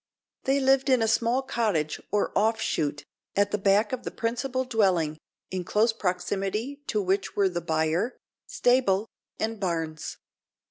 They lived in a small cottage, or off shoot, at the back of the principal dwelling, in close proximity to which were the byre, stable, and barns.